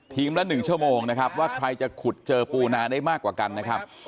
ละ๑ชั่วโมงนะครับว่าใครจะขุดเจอปูนาได้มากกว่ากันนะครับ